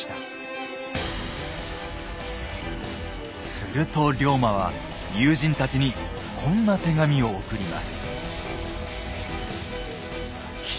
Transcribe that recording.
すると龍馬は友人たちにこんな手紙を送ります。